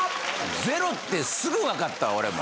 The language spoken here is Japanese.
ゼロってすぐ分かった俺も。